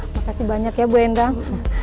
makasih banyak ya bu endang